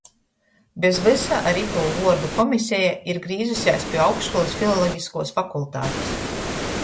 Bez vysa ar itū vuordu komiseja ir grīzusēs pi augstškolys filologiskuos fakultatis,